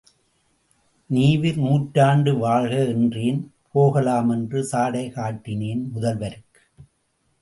நீவிர் நூறாண்டு வாழ்க என்றேன், போகலாமென்று சாடை காட்டினேன் முதல்வருக்கு.